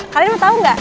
kalian tau gak